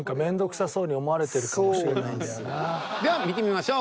では見てみましょう。